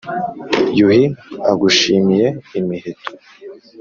yuhi agushimiye imiheto.